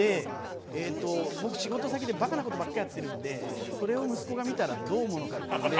僕、仕事先でバカなことばかりやっているのでそれを息子が見たらどう思うのかっていうので